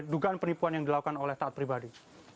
dugaan penipuan yang dilakukan oleh taat pribadi